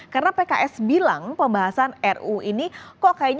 karena pks bilang pembahasan ruu ini kok kayaknya